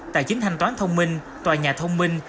tài chính thanh toán thông minh tòa nhà thông minh